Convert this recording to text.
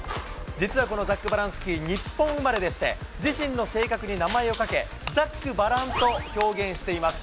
実はこのザックバランスキー、日本生まれでして、自身の性格に名前をかけ、ざっくばらんと表現しています。